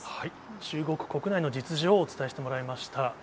中国国内の実情をお伝えしてもらいました。